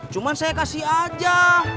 cuman saya kasih aja